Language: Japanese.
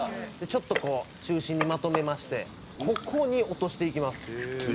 「ちょっとこう中心にまとめましてここに落としていきます」